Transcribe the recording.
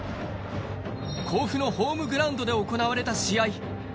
甲府のホームグラウンドで行われた試合。